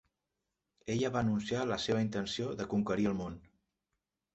Ella va anunciar la seva intenció de conquerir el món